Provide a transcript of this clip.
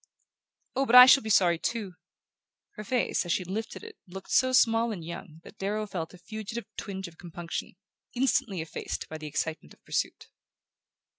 "Oh, but I shall be sorry too!" Her face, as she lifted it to his, looked so small and young that Darrow felt a fugitive twinge of compunction, instantly effaced by the excitement of pursuit.